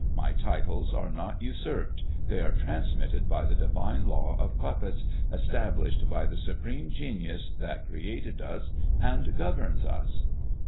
My titles are not usurped; they are transmitted by the divine law of puppets established by the Supreme Genius that created us and governs us."